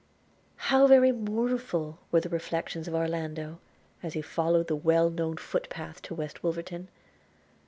How very mournful were the reflections of Orlando as he followed the well known foot path to West Wolverton!